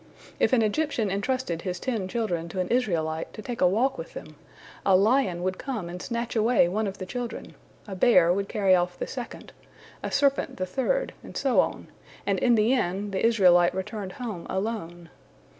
If an Egyptian entrusted his ten children to an Israelite, to take a walk with them, a lion would come and snatch away one of the children, a bear would carry off the second, a serpent the third, and so on, and in the end the Israelite returned home alone.